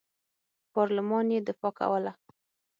پارلمان یې دفاع کوله.